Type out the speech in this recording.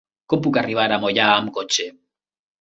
Com puc arribar a Moià amb cotxe?